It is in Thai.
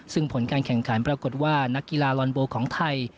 ซึ่งผลการแข่งขันปรากฏว่านักกีฬาลอนโบของไทย